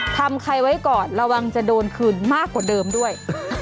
ทำใครไว้ก่อนระวังจะโดนคืนมากกว่าเดิมด้วย